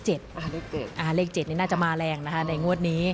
ให้เลขนี่น่าจะมาแรงในงวดนี้